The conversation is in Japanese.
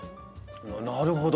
なるほど！